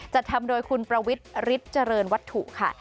จะทำโดยคุณประวิทย์ฤทธิ์เจริญวัตถุค่ะ